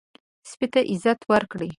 سپي ته عزت ورکړئ.